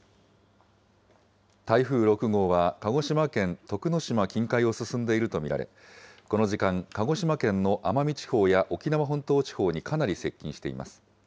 台風６号は、鹿児島県徳之島近海を進んでいると見られ、この時間、鹿児島県の奄美地方や沖縄本島地方にかなり接近しています。